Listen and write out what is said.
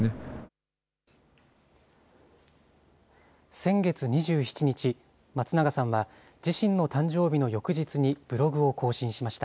先月２７日、松永さんは自身の誕生日の翌日にブログを更新しました。